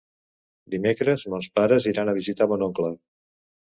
Dimecres mons pares iran a visitar mon oncle.